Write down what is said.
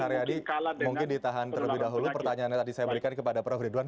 baik pak ansari adi mungkin ditahan terlebih dahulu pertanyaannya tadi saya berikan kepada prof ridwan